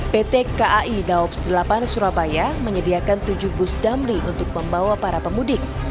pt kai daops delapan surabaya menyediakan tujuh bus damli untuk membawa para pemudik